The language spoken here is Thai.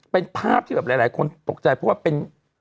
เป็นภาพที่แบบหลายคนตกใจเพราะว่าเป็น